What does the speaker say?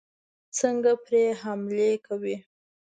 څنګه پرې حملې کوي.